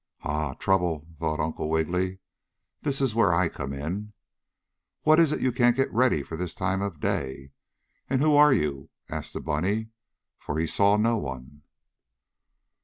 "Ha! Trouble!" thought Uncle Wiggily. "This is where I come in. What is it you can't get ready for this time of day, and who are you?" asked the bunny, for he saw no one.